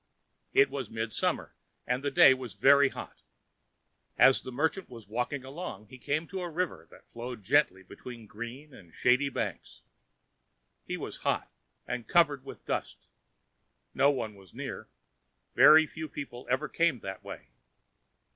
It was midsummer, and the day was very hot. As the merchant was walking along, he came to a river that flowed gently between green and shady banks. He was hot and covered with dust. No one was near. Very few people ever came that way.